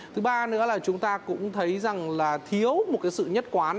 thứ ba nữa là chúng ta cũng thấy rằng là thiếu một cái sự nhất quán